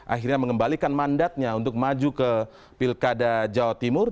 akhirnya mengembalikan mandatnya untuk maju ke pilkada jawa timur